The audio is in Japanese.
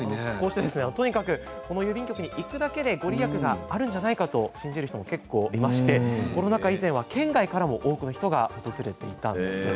とにかくこの郵便局に行くだけで御利益があるんじゃないかと信じる人も結構いましてコロナ禍以前は県外からも多くの人が訪れていたんです。